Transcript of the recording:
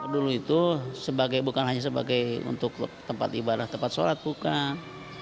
dulu itu bukan hanya sebagai untuk tempat ibadah tempat sholat bukan